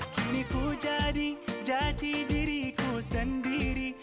kini ku jadi jadi diriku sendiri